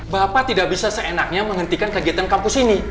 bapak tidak bisa seenaknya menghentikan kegiatan kampus ini